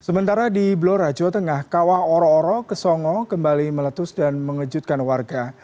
sementara di blora jawa tengah kawah oro oro ke songo kembali meletus dan mengejutkan warga